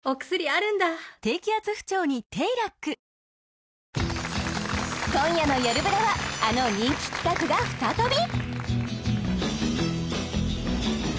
はぁ今夜のよるブラはあの人気企画が再び！